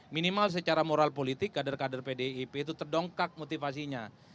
minimal secara moral politik kader kader pdip itu terdongkak motivasinya